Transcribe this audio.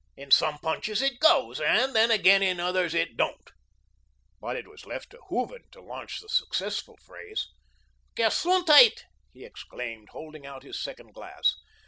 In some punches it goes; and then, again, in others it don't." But it was left to Hooven to launch the successful phrase: "Gesundheit," he exclaimed, holding out his second glass.